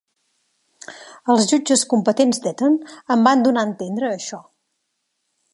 Els jutges competents d'Eton em van donar a entendre això.